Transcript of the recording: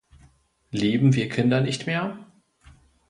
Lieben wir Kinder nicht mehr?